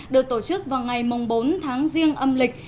được tổ chức vào ngày bốn tháng riêng âm lịch